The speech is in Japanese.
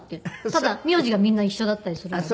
ただ名字がみんな一緒だったりするので。